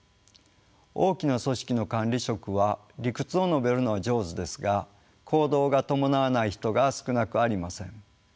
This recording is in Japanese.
大きな組織の管理職は理屈を述べるのは上手ですが行動が伴わない人が少なくありません。